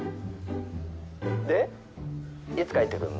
でいつ帰ってくるの？